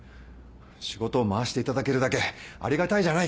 仕事を回していただけるだけありがたいじゃないか。